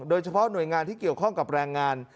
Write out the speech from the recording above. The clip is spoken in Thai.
โดยเฉพาะหน่วยงานที่เกี่ยวข้องกับแรงงาน